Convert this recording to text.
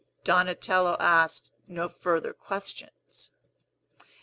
Donatello asked no further questions.